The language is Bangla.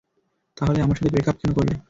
তাহলে আমার সাথে ব্রেকাপ কেন করলে?